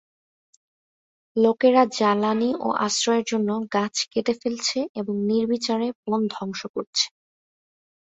লোকেরা জ্বালানী ও আশ্রয়ের জন্য গাছ কেটে ফেলছে এবং নির্বিচারে বন ধ্বংস করছে।